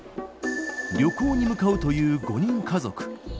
旅行に向かうという５人家族。